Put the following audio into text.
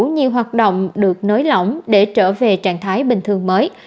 nhiều hoạt động được nới lỏng để trở về trạng thái bình thường mới